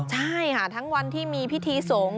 ใช่ค่ะทั้งวันที่มีพิธีสงฆ์